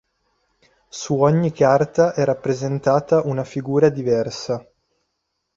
Su ogni carta è rappresentata una figura diversa.